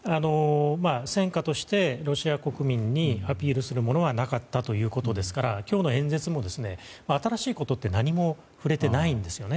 戦果としてロシア国民にアピールするものはなかったということですから今日の演説も新しいことって何も触れていないんですね。